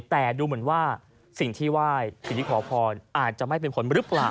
แต่ดูเหมือนว่าสิ่งที่ไหว้สิ่งที่ขอพรอาจจะไม่เป็นผลหรือเปล่า